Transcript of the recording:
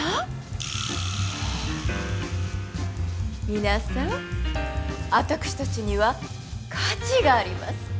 皆さん私たちには価値があります。